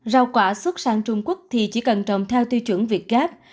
rau quả xuất sang trung quốc thì chỉ cần trồng theo tiêu chuẩn việt gáp